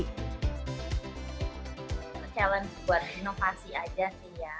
kita challenge buat inovasi aja sih ya